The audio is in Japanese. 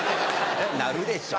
なるでしょ。